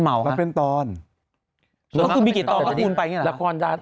เหมาะค่ะรับเป็นตอนเขาคือมีกี่ตอนก็คูณไปอย่างเงี้ยหรอละครดา